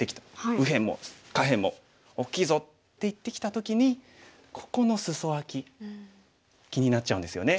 「右辺も下辺も大きいぞ」って言ってきた時にここのスソアキ気になっちゃうんですよね。